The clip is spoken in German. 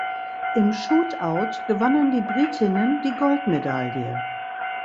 Im Shootout gewannen die Britinnen die Goldmedaille.